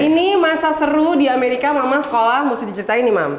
ini masa seru di amerika mama sekolah mesti diceritain imam